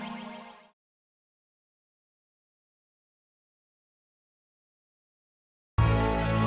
katanya rasanya keren overhear